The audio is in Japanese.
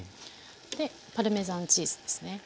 でパルメザンチーズですね。